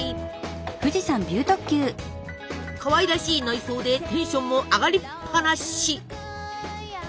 かわいらしい内装でテンションも上がりっぱなし！